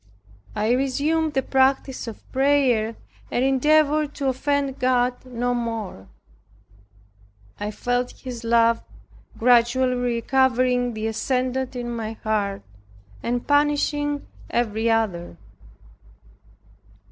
I resumed the practice of prayer, and endeavored to offend God no more. I felt His love gradually recovering the ascendant in my heart, and banishing every other.